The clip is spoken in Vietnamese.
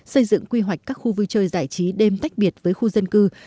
xây dựng quy hoạch các khu vui chơi giải trí đêm tách biệt với khu dân cư